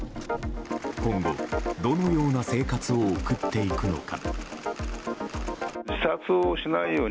今後、どのような生活を送っていくのか。